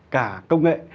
cả công nghệ